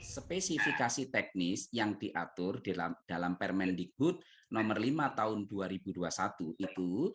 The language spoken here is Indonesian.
spesifikasi teknis yang diatur dalam permendikbud nomor lima tahun dua ribu dua puluh satu itu